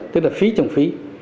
tức là phí trồng phí